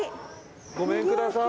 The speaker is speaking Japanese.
ごめんください！